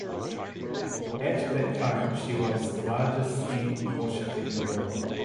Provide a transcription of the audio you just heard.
At that time she was the largest steam warship in the world.